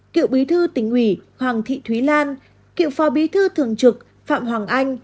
cựu bí thư tỉnh ủy hoàng thị thúy lan cựu phó bí thư thường trực phạm hoàng anh